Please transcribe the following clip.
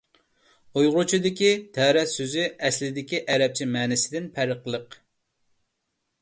ئۇيغۇرچىدىكى «تەرەت» سۆزى ئەسلىدىكى ئەرەبچە مەنىسىدىن پەرقلىق.